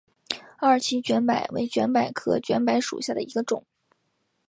二歧卷柏为卷柏科卷柏属下的一个种。